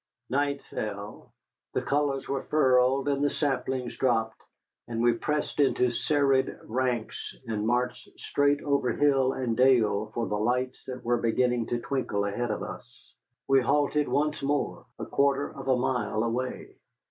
Night fell, the colors were furled and the saplings dropped, and we pressed into serried ranks and marched straight over hill and dale for the lights that were beginning to twinkle ahead of us. We halted once more, a quarter of a mile away.